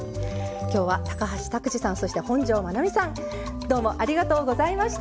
きょうは橋拓児さんそして本上まなみさんどうもありがとうございました。